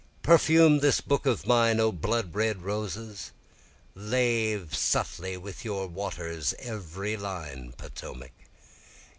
Perfume this book of mine O blood red roses! Lave subtly with your waters every line Potomac!